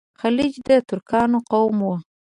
خلج د ترکانو قوم وو.